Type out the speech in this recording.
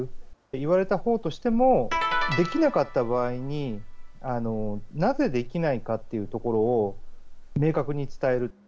言われたほうとしても、できなかった場合に、なぜできないかというところを明確に伝える。